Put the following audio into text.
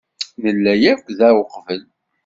Nella akk da uqbel.